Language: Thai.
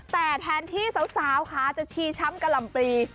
แต่แทนที่สาวค่ะจะชี้ช้ำกับลำบรี